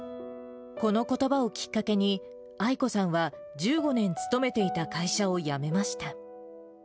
このことばをきっかけに、アイコさんは、１５年勤めていた会社を辞めました。